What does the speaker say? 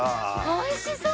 おいしそう！